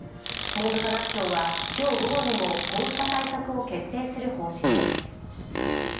文部科学省は、今日午後にもこうした対策を決定する方針です。